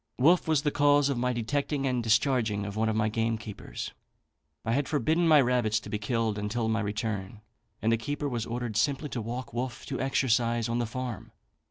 "Wolfe was the cause of my detecting and discharging one of my gamekeepers. I had forbidden my rabbits to be killed until my return; and the keeper was ordered simply to walk Wolfe to exercise on the farm.